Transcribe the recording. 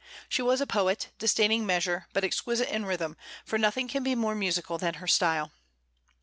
She was a poet, disdaining measure, but exquisite in rhythm, for nothing can be more musical than her style.